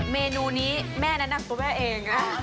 เมนูนี้แม่นั่นนักตัวแม่เอง